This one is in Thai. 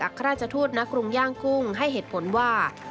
ครราชทูตณกรุงย่างกุ้งให้เหตุผลว่า